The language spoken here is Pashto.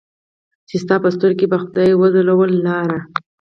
چې ستا په سترګو کې به خدای وځلوله لاره